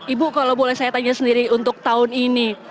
ibu kalau boleh saya tanya sendiri untuk tahun ini